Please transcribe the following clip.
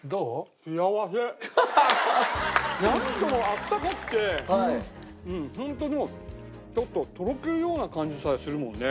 あったかくてホントにもうちょっととろけるような感じさえするもんね。